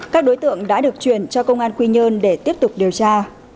các đối tượng đã được chuyển cho công an quy nhơn để tiếp tục điều tra